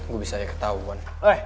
gue bisa aja ketahuan